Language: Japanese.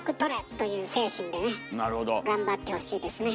頑張ってほしいですね。